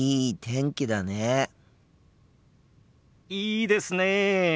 いいですねえ。